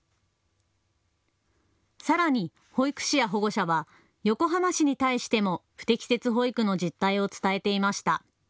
さらに保育士や保護者は横浜市に対しても不適切保育の実態を伝えていました。